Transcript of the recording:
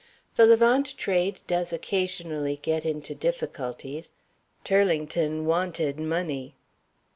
The Levant Trade does occasionally get into difficulties. Turlington wanted money.